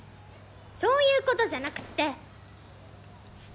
そういうことじゃなくて好き？